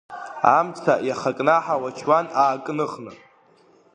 Амца иахакнаҳау ачуан аакныхны.